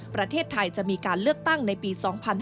ประเทศไทยจะมีการเลือกตั้งในปี๒๕๕๙